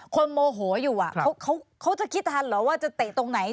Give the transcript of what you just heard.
โมโหอยู่เขาจะคิดทันเหรอว่าจะเตะตรงไหน